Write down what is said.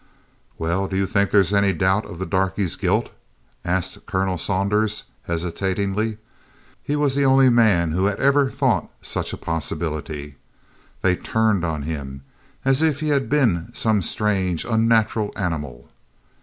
"Well, do you think there 's any doubt of the darky's guilt?" asked Colonel Saunders hesitatingly. He was the only man who had ever thought of such a possibility. They turned on him as if he had been some strange, unnatural animal.